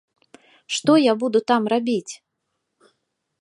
Што я буду там рабіць?